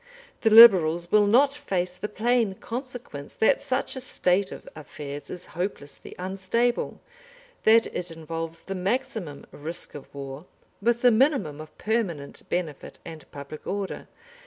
The Liberals will not face the plain consequence that such a state of affairs is hopelessly unstable, that it involves the maximum risk of war with the minimum of permanent benefit and public order.